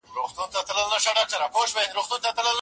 ولي تاسي دغه حاجي تر اوسه پوري نه دی لیدلی؟